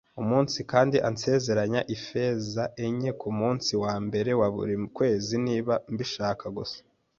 umunsi kandi ansezeranya ifeza enye kumunsi wambere wa buri kwezi niba mbishaka gusa